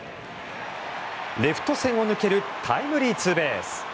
レフト線を抜けるタイムリーツーベース。